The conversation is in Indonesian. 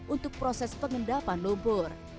untuk proses pengendalian air